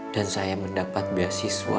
dan saya mendapat beasiswa